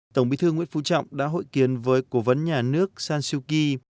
tổng bí thư nguyễn phú trọng đã hội kiến với cố vấn nhà nước san suu kyi